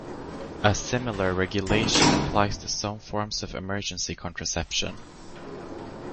A similar regulation applies to some forms of emergency contraception.